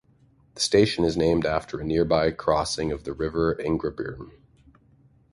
The station is named after a nearby crossing of the River Ingrebourne.